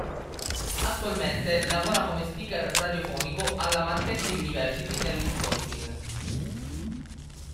Attualmente lavora come speaker radiofonico alla Marquette University, nel Wisconsin.